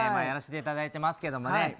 やらしていただいてますけどね。